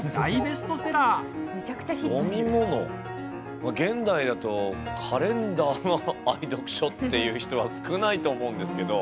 まあ、現代だとカレンダーが愛読書っていう人は少ないと思うんですけど。